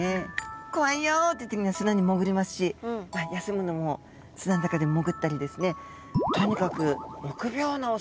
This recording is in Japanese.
「怖いよ」って時には砂に潜りますし休むのも砂の中で潜ったりですね